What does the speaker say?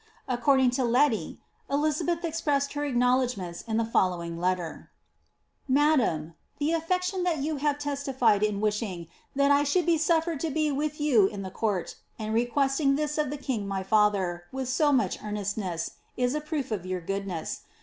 According to Leti, Elizabeth expressed her acknowledgments in the folp lowing letter :—Madame, The affection that jon have testified in wishing that I should be snflered to be with you in the court, and requesting this of the king my fiither, with to much earnestness, is a proof of your goodness.